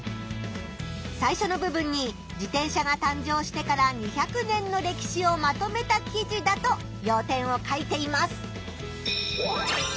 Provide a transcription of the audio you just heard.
最初の部分に自転車が誕生してから２００年の歴史をまとめた記事だとよう点を書いています。